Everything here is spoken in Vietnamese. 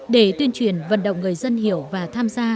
để tuyên truyền vận động người dân hiểu và tham gia bảo hiểm